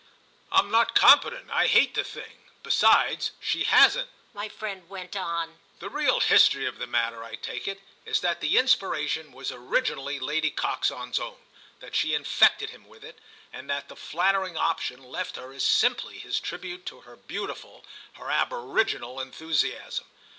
"I'm not competent—I hate the thing. Besides, she hasn't," my friend went on. "The real history of the matter, I take it, is that the inspiration was originally Lady Coxon's own, that she infected him with it, and that the flattering option left her is simply his tribute to her beautiful, her aboriginal enthusiasm.